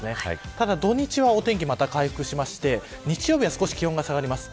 ただ土日はお天気また回復しまして日曜日は少し気温が下がります。